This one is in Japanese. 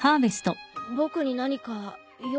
僕に何か用？